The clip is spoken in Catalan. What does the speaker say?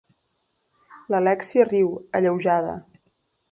L'Alèxia riu, alleujada.